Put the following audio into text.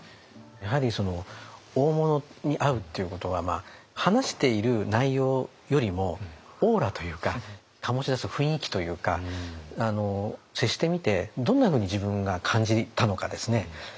やはり大物に会うっていうことは話している内容よりもオーラというか醸し出す雰囲気というか接してみてどんなふうに自分が感じたのかですね